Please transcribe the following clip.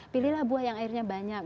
pilihlah buah yang airnya banyak